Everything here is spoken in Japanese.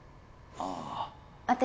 ああ私